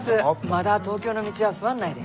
まだ東京の道は不案内で。